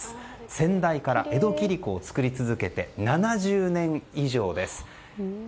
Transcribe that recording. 先代から江戸切子を作り続けて７０年以上です。